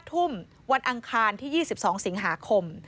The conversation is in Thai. ทุ่มวันอังคารที่๒๒สิงหาคม